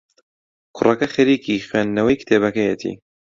کوڕەکە خەریکی خوێندنەوەی کتێبەکەیەتی.